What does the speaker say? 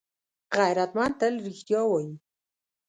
غیرتمند تل رښتیا وايي